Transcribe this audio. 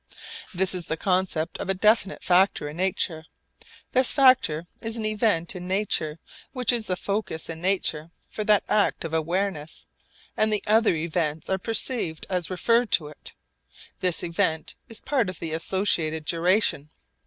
This is the concept of a definite factor in nature. This factor is an event in nature which is the focus in nature for that act of awareness, and the other events are perceived as referred to it. This event is part of the associated duration.